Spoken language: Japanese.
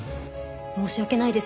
申し訳ないですけど。